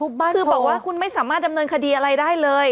คือบอกว่าคุณไม่สามารถดำเนินคดีอะไรได้เลย